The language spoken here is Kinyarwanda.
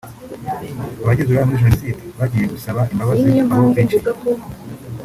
abagize uruhare muri Jenoside bagiye gusaba imbabazi abo biciye